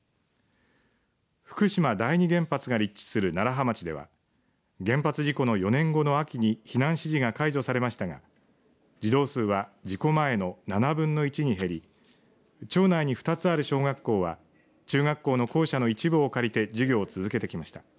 福島第２原発が立地する楢葉町では原発事故の４年後の秋に避難指示が解除されましたが児童数は事故前の７分の１に減り町内に２つある小学校は中学校の校舎の一部を借りて授業を続けてきました。